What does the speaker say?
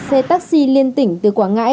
xe taxi liên tỉnh từ quảng ngãi